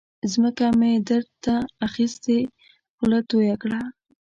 ځمکه مې در ته اخستې خوله تویه کړه.